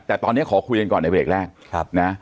แต่ตอนนี้ขอคุยกันก่อนไว้เรียกแรกครับนะฮะ